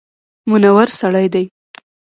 منور سړی دی.